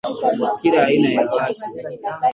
Kila aina ya watu